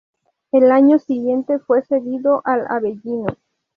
El año siguiente fue cedido al Avellino.